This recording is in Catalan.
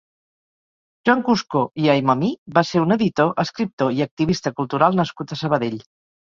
Joan Cuscó i Aymamí va ser un editor, escriptor i activista cultural nascut a Sabadell.